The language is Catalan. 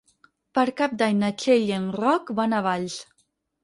Per Cap d'Any na Txell i en Roc van a Valls.